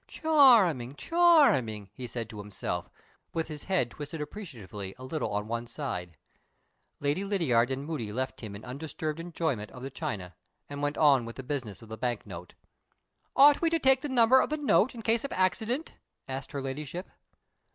"Charming! charming!" he said to himself, with his head twisted appreciatively a little on one side. Lady Lydiard and Moody left him in undisturbed enjoyment of the china, and went on with the business of the bank note. "Ought we to take the number of the note, in case of accident?" asked her Ladyship.